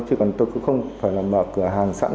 chứ còn tôi cũng không phải là mở cửa hàng sẵn